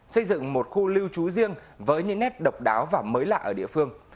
xây dựng một khu lưu trú riêng với những nét độc đáo và mới lạ ở địa phương